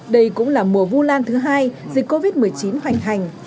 đây cũng là mùa vu lan thứ hai dịch covid một mươi chín hoành hành